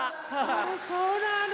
へそうなの。